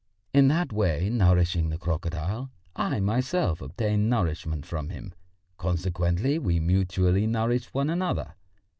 In that way nourishing the crocodile, I myself obtain nourishment from him, consequently we mutually nourish one another.